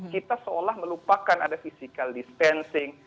kita seolah melupakan ada physical distancing